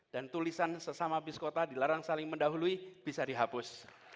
dan tulisan sesama biskota dilarang saling mendahului bisa dihapus